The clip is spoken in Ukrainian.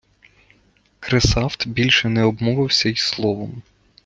Кресафт більше не обмовився й словом.